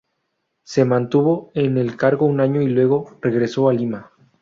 Se mantuvo en el cargo un año y luego regresó a Lima.